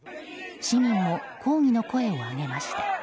市民も抗議の声を上げました。